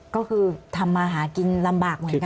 ก็คือทำมาหากินลำบากเหมือนกัน